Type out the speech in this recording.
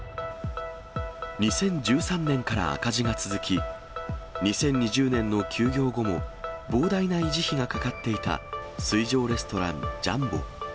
２０１３年から赤字が続き、２０２０年の休業後も、膨大な維持費がかかっていた水上レストラン、ジャンボ。